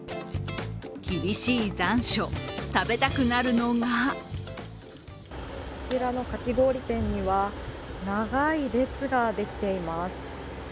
厳しい残暑、食べたくなるのがこちらのかき氷店には長い列ができています。